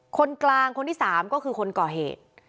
คนกลางคนที่๓ก็คือคนก่อเหตุ